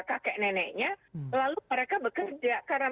kakek neneknya lalu mereka bekerja karena